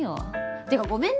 ってかごめんね